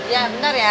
ya bentar ya